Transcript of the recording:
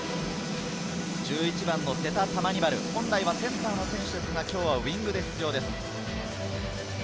１１番のセタ・タマニバル、本来はセンターの選手ですが、今日はウイングで出場です。